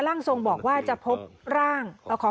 ร่างทรงบอกว่าจะพบร่าง